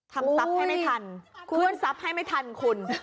ทำสรรพให้ไม่ทันคุณสรรพให้ไม่ทันคุณ